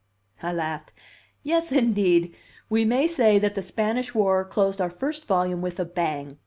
I laughed. "Yes, indeed! We may say that the Spanish War closed our first volume with a bang.